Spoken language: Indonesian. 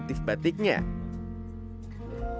ketika batik sudah selesai kita harus menghapuskan motif batiknya